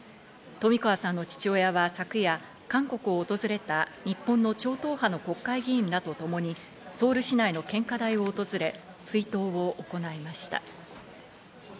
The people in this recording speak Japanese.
冨川さんの父親は昨夜、韓国を訪れた日本の超党派の国会議員らとともにソウル市内の献花台を訪れ追悼を行いました。